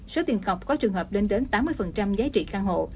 số tiền cọc có trường hợp lên đến tám mươi giá trị căn hộ